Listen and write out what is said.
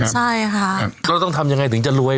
เราก็ต้องทำยังไงถึงจะรวย